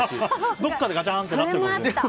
どこかでガチャンとなってるかも。